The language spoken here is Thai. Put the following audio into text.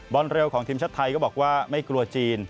เร็วของทีมชาติไทยก็บอกว่าไม่กลัวจีน